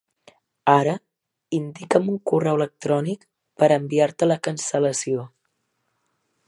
Ara, indica'm un correu electrònic per enviar-te la cancel·lació.